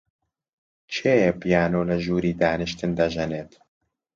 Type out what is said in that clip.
کێیە پیانۆ لە ژووری دانیشتن دەژەنێت؟